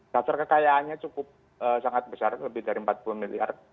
dasar kekayaannya cukup sangat besar lebih dari empat puluh miliar